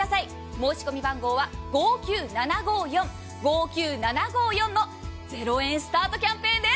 申込番号は５９７５４の０円スタートキャンペーンです。